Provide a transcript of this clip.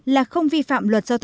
là không vi phạm